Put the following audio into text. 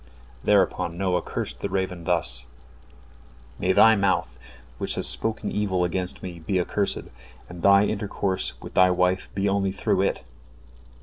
" Thereupon Noah cursed the raven thus: "May thy mouth, which has spoken evil against me, be accursed, and thy intercourse with thy wife be only through it."